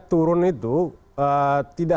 turun itu tidak